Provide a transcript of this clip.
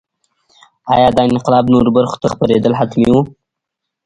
ایا دا انقلاب نورو برخو ته خپرېدل حتمي وو.